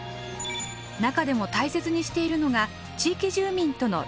中でも大切にしているのが地域住民との連携。